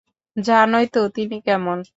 জানোই তো তিনি কেমন।